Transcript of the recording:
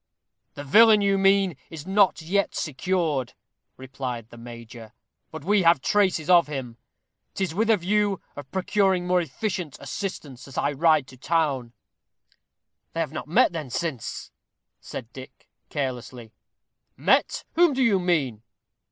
"The villain you mean is not yet secured," replied the major, "but we have traces of him. 'Tis with a view of procuring more efficient assistance that I ride to town." "They have not met then, since?" said Dick, carelessly. "Met! whom do you mean?"